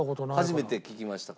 初めて聞きましたか？